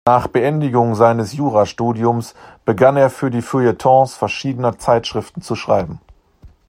Nach Beendigung seines Jurastudiums begann er für die Feuilletons verschiedener Zeitschriften zu schreiben.